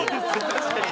確かに。